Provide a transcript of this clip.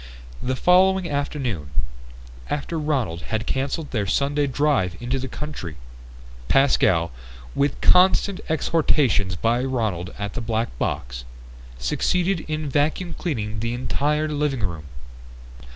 The following afternoon after Ronald had cancelled their Sunday drive into the country Pascal, with constant exhortations by Ronald at the black box, succeeded in vacuum cleaning the entire living room.